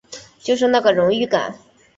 就是那个荣誉感